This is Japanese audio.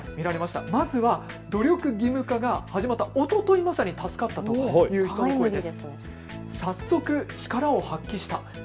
まずは努力義務化が始まったおととい、まさに助かったという人の声です。